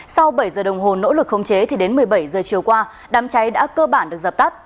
sau bảy h đồng hồ nỗ lực không chế thì đến một mươi bảy h chiều qua đám cháy đã cơ bản được dập tắt